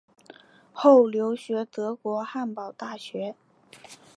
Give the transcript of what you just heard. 后留学德国汉堡大学。